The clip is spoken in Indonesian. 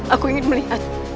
aku ingin melihat